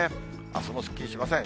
あすもすっきりしません。